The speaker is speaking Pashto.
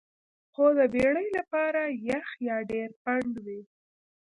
خو د بیړۍ لپاره یخ بیا ډیر پنډ وي